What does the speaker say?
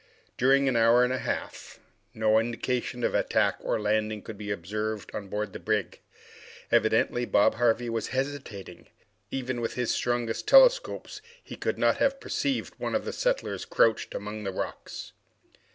During an hour and a half, no indication of attack or landing could be observed on board the brig. Evidently Bob Harvey was hesitating. Even with his strongest telescopes he could not have perceived one of the settlers crouched among the rocks.